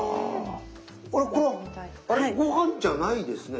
あれこれはごはんじゃないですね？